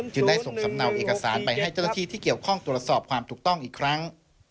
ได้ส่งสำเนาเอกสารไปให้เจ้าหน้าที่ที่เกี่ยวข้องตรวจสอบความถูกต้องอีกครั้ง